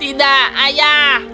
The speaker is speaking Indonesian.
tidak ayah lebih besar